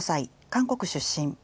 韓国出身。